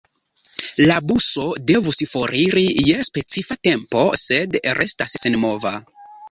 La buso devus foriri je specifa tempo, sed restas senmova.